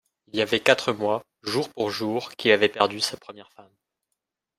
Il y avait quatre mois, jour pour jour, qu'il avait perdu sa première femme.